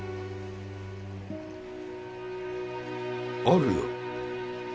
・あるよ。